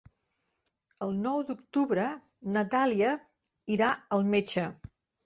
El nou d'octubre na Dàlia irà al metge.